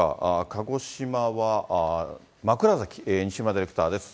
鹿児島は枕崎、西村ディレクターです。